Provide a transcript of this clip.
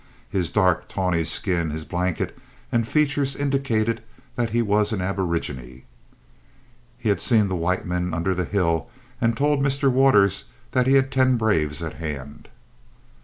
His dark, tawny skin, his blanket and features indicated that he was an aborigine. He had seen the white men under the hill, and he told Mr. Waters that he had ten braves at hand.